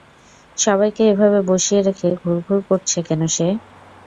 সবাইকে এভাবে বসিয়ে রেখে ঘুরঘুর করছে কেন সে?